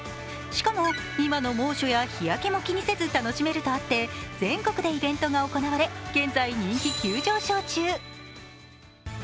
しかも、今の猛暑や日焼けも気にせず楽しめるとあって全国でイベントが行われ、現在人気急上昇中。